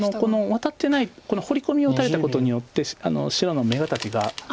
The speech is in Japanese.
ワタってないこのホウリコミを打たれたことによって白の眼形が。